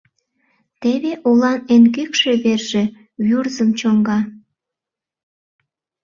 Теве олан эн кӱкшӧ верже — Вӱрзым чоҥга.